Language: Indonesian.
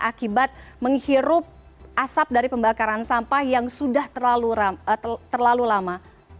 akibat menghirup asap dari pembakaran sampah yang sudah terlalu lama